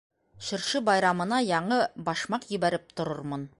Шыршы байрамына яңы башмаҡ ебәреп торормон.